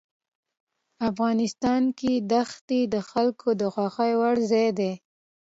افغانستان کې دښتې د خلکو د خوښې وړ ځای دی.